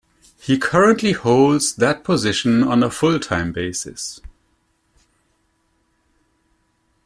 He currently holds that position on a full-time basis.